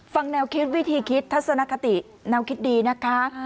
ฟังแนวคิดวิธีคิดทัศนคติแนวคิดดีนะคะ